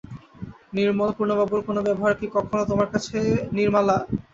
নির্মল, পূর্ণবাবুর কোনো ব্যবহার কি কখনো তোমার কাছে– নির্মলা।